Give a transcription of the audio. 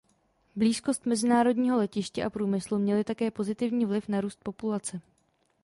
Blízkost mezinárodního letiště a průmyslu měly také pozitivní vliv na růst populace.